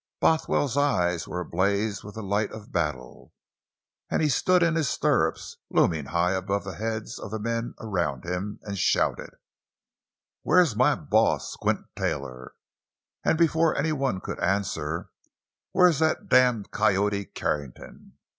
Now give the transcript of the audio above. Bothwell's eyes were ablaze with the light of battle; and he stood in his stirrups, looming high above the heads of the men around him, and shouted: "Where's my boss—Squint Taylor?" And before anyone could answer—"Where's that damned coyote Carrington?